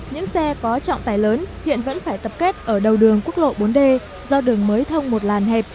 những xe có trọng tải lớn hiện vẫn phải tập kết ở đầu đường quốc lộ bốn d do đường mới thông một làn hẹp